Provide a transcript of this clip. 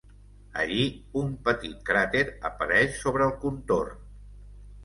Allí un petit cràter apareix sobre el contorn.